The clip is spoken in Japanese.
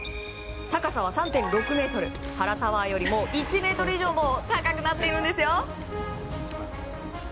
高さは３．６ｍ原タワーよりも１ｍ以上も高くなっているんですよ。